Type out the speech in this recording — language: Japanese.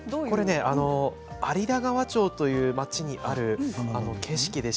有田川町という町にある景色です。